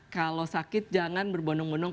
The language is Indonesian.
kalau sakit jangan berbunuh bunuh